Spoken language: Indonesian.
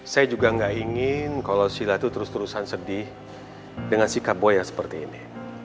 saya juga nggak ingin kalau sila itu terus terusan sedih dengan sikap boy yang seperti ini